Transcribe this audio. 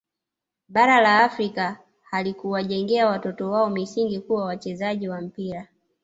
Bara la Afrika halikuwajengea watoto wao misingi kuwa wachezaji wa mpira